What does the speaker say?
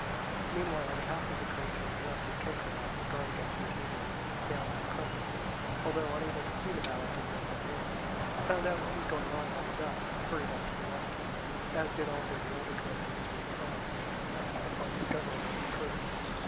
Meanwhile, the half of the Corinthians left at Cenchreae to guard against the Athenians sailing on Crommyon, although unable to see the battle for Mount Oneion, found out what was going on by the dust, and hurried up to the rescue; as did also the older Corinthians from the town, upon discovering what had occurred.